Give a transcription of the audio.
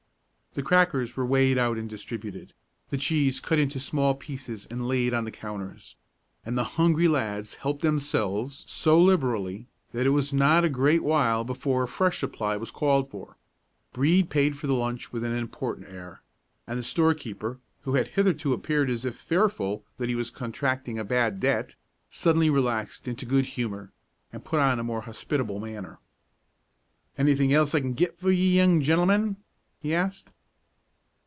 The crackers were weighed out and distributed, the cheese cut into small pieces and laid on the counters; and the hungry lads helped themselves so liberally that it was not a great while before a fresh supply was called for. Brede paid for the lunch with an important air, and the storekeeper, who had hitherto appeared as if fearful that he was contracting a bad debt, suddenly relaxed into good humor, and put on a more hospitable manner. "Anything else I can git for ye, young gentlemen?" he asked.